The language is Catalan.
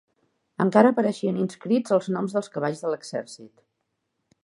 Encara apareixien inscrits els noms dels cavalls de l'exèrcit.